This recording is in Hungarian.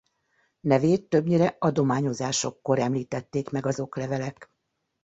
Nevét többnyire adományozásokkor említették meg az oklevelek.